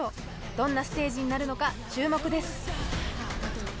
どんなステージになるのか注目です。